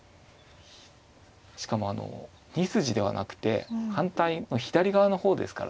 しかもあの２筋ではなくて反対左側の方ですからね。